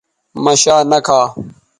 مہ شا نہ کھا